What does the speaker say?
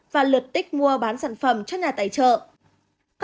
và lượt tích mua bán sản phẩm cho nhà tài trợ